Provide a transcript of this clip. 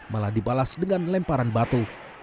malah dibalas dengan lemparan batu